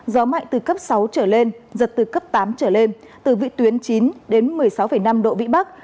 gió mạnh từ cấp sáu trở lên giật từ cấp tám trở lên từ vị tuyến chín đến một mươi sáu năm độ vĩ bắc